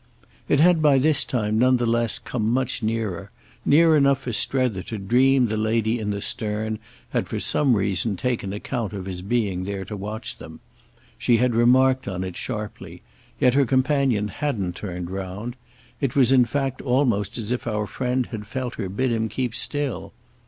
It had by this time none the less come much nearer—near enough for Strether to dream the lady in the stern had for some reason taken account of his being there to watch them. She had remarked on it sharply, yet her companion hadn't turned round; it was in fact almost as if our friend had felt her bid him keep still.